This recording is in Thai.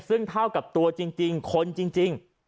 ซึ่งเท่ากับตัวจริงคนจริง